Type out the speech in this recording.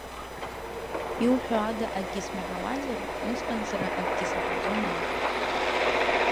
Иуҳәо ада акгьы смаҳауазар, усҟан сара акгьы саҳаӡом ауп.